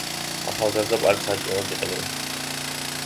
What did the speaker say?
ახალგაზრდა პარკს საჭმელად იყენებენ.